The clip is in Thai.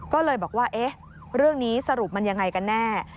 ก็เลยบอกว่าเอ๊ะเรื่องนี้สรุปมันยังไงกันแน่